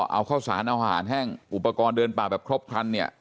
เอาข้าวสารเอาอาหารแห้งอุปกรณ์เดินป่าแบบครบครันเนี่ย